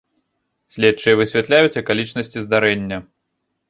Следчыя высвятляюць акалічнасці здарэння.